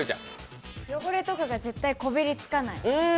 汚れとかが絶対にこびりつかない。